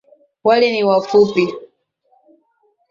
Wale ni wafupi